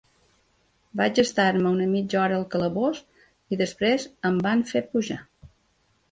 Vaig estar-me una mitja hora al calabós i després em van fer pujar.